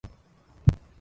قم فاعقر الهم بالعقار